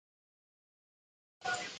他出身自埃弗顿的青训系统。